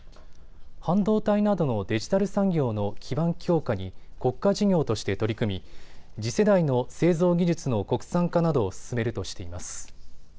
半導体などのデジタル産業の基盤強化に国家事業として取り組み、次世代の製造技術の国産化などを進めるとしています。